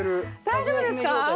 大丈夫ですか？